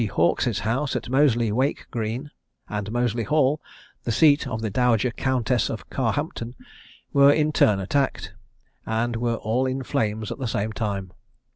Hawkes's house at Moseley Wake Green, and Moseley Hall, the seat of the Dowager Countess of Carhampton, were in turn attacked, and were all in flames at the same time.